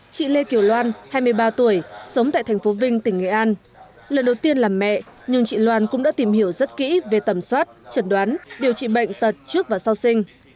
chị lê kiều loan hai mươi ba tuổi sống tại thành phố vinh tỉnh nghệ an lần đầu tiên làm mẹ nhưng chị loan cũng đã tìm hiểu rất kỹ về tầm soát chẩn đoán điều trị bệnh tật trước và sau sinh